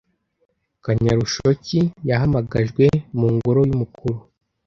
kanyarushoki, yahamagajwe mu ngoro y'umukuru